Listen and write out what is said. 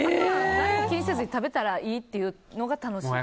気にせず食べたらいいというのが楽しい。